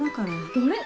どれ。